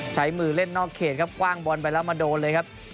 ใช้มือเล่นนอกเขตครับกว้างบอลไปแล้วมาโดนเลยครับ